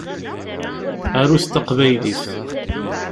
Arut taqbaylit!